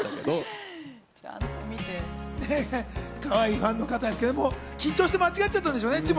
かわいいファンの方ですけれども、緊張して間違っちゃったんでしょうね。